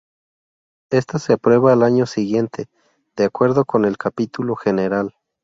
Ésta se aprueba al año siguiente, de acuerdo con el Capítulo general.